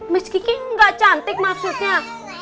miss kiki gak cantik maksudnya